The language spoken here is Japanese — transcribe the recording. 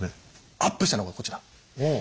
アップしたのがこちら。